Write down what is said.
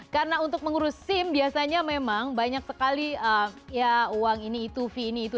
karena untuk mengurus sim biasanya memang banyak sekali uang ini itu fee ini itu